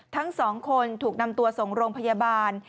ทั้งสองคนถูกนำตัวส่งโรงพยาบาล